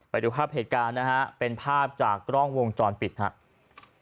ไปดูภาพเหตุการณ์นะฮะเป็นภาพจากกล้องวงจรปิดครับ